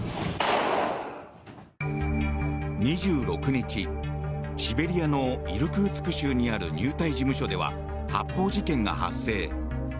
２６日、シベリアのイルクーツク州にある入隊事務所では発砲事件が発生。